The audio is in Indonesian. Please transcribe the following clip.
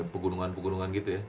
pegunungan pegunungan gitu ya